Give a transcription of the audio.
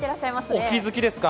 お気づきですか。